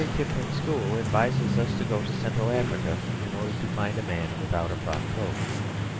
Kipling's school advises us to go to Central Africa in order to find a man without a frock coat.